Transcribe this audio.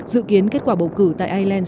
dự kiến kết quả bầu cử tại ireland